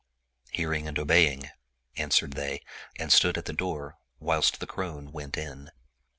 " Hearing and obeying," answered they and stood at the door, whilst the crone went in.